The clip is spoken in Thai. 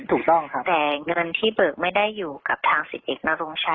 ถูกต้องครับแต่เงินที่เบิกไม่ได้อยู่กับทางสิบเอกนรงชัย